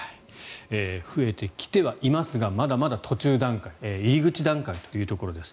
増えてきてはいますがまだまだ途中段階入り口段階ということです。